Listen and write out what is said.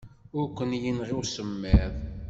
Ur ken-yenɣi usemmiḍ.